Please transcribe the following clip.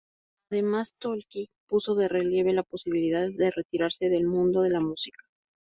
Además, Tolkki puso de relieve la posibilidad de retirarse del mundo de la música.